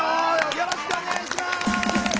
よろしくお願いします。